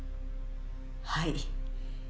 はい。